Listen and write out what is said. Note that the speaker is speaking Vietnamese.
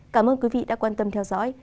cảm ơn quý vị đã quan tâm theo dõi